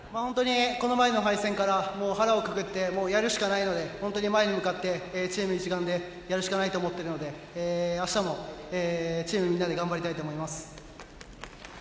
この前の敗戦から腹をくくってもう、やるしかないので本当に前に向かってチーム一丸でやるしかないと思っているので明日もチームのみんなで頑張りたいと思います。